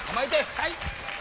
はい。